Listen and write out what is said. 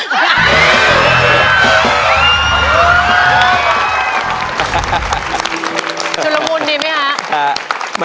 ชุดละมุนดีไหมคะ